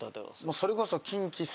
それこそ。